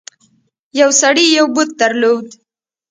یو سړي یو بت درلود.